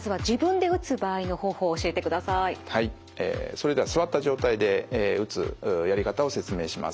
それでは座った状態で打つやり方を説明します。